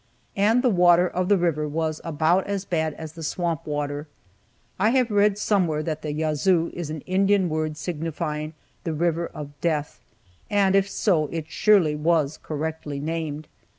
And the water of the river was about as bad as the swamp water. I have read somewhere that "Yazoo" is an Indian word, signifying "The River of Death," and if so, it surely was correctly named.